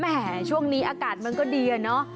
แห่ช่วงนี้อากาศมันก็ดีอะเนาะ